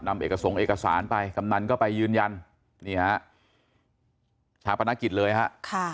นำเอกส่งเอกสารไปคำนั้นก็ไปยืนยันนี่ฮะถามพนักกิจเลยฮะ